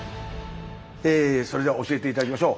それでは教えて頂きましょう。